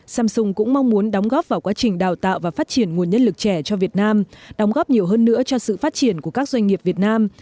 samsung cũng mong muốn đóng góp vào quá trình đào tạo và phát triển nguồn nhân lực trẻ cho việt nam đóng góp nhiều hơn nữa cho sự phát triển của các doanh nghiệp việt nam